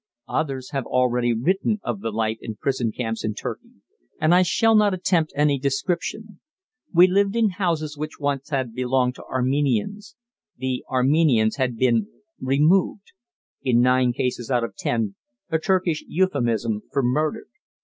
Others have already written of the life in prison camps in Turkey, and I shall not attempt any description. We lived in houses which once had belonged to Armenians. The Armenians had been "removed" in nine cases out of ten a Turkish euphemism for murdered.